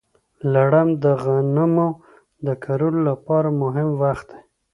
لړم د غنمو د کرلو لپاره مهم وخت دی.